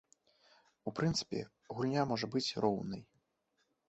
У прынцыпе, гульня можа быць роўнай.